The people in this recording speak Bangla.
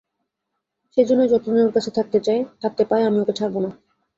সেইজন্যই যতদিন ওঁর কাছে থাকতে পাই, আমি ওঁকে ছাড়ব না।